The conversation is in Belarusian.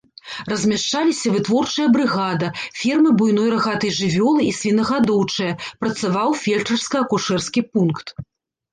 Размяшчаліся вытворчая брыгада, фермы буйной рагатай жывёлы і свінагадоўчая, працаваў фельчарска-акушэрскі пункт.